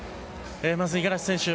まず、五十嵐選手。